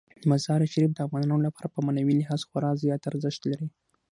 مزارشریف د افغانانو لپاره په معنوي لحاظ خورا زیات ارزښت لري.